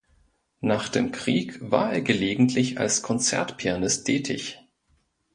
Nach dem Krieg war er gelegentlich als Konzertpianist tätig.